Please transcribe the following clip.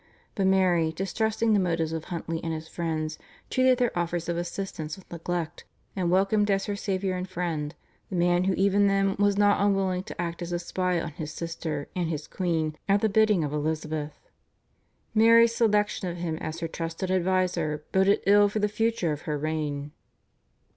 But Mary, distrusting the motives of Huntly and his friends, treated their offers of assistance with neglect, and welcomed as her saviour and friend the man who even then was not unwilling to act as a spy on his sister and his queen at the bidding of Elizabeth. Mary's selection of him as her trusted adviser boded ill for the future of her reign.